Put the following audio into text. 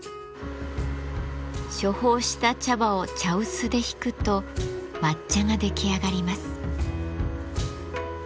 処方した茶葉を茶臼でひくと抹茶が出来上がります。